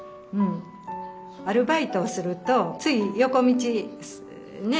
アルバイトをするとつい横道ねえ